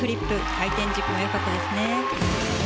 回転軸もよかったですね。